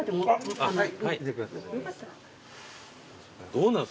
どうなの？